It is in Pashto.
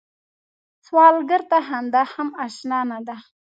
سوالګر ته خندا هم اشنا نه ده